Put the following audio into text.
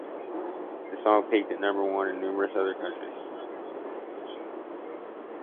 The song peaked at number one in numerous other countries.